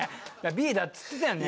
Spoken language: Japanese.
Ｂだっつってたよね。